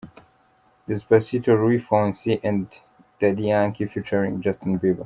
"Despacito" - Luis Fonsi and Daddy Yankee Featuring Justin Bieber.